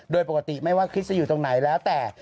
โดยปกติไม่ว่าคริสต์จะอยู่ตรงไหนแล้วแต่